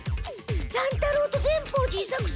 乱太郎と善法寺伊作先輩だ。